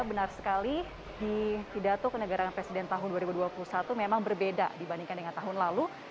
benar sekali di pidato kenegaraan presiden tahun dua ribu dua puluh satu memang berbeda dibandingkan dengan tahun lalu